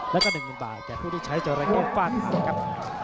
และก็๑๐๐๐บาทแก่ผู้ได้ใช้เจ้าระเข้ฝ่านครับ